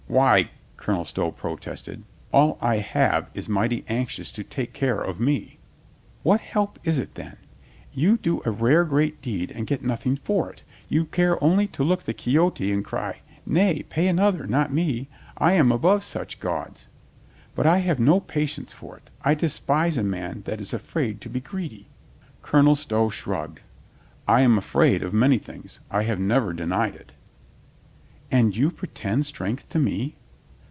"Why," Colonel Stow protested, "all I have is mighty anxious to take care of me." "What help is it then? You do .a rare, great deed and get nothing for it; you care only to look the Quixote and cry, 'Nay, pay another, not me! I am above such gauds !' But I have no patience for it. I despise a man that is .afraid to be greedy." Colonel Stow shrugged. "I am afraid of many things. I have never denied it." "And you pretend strength to me?"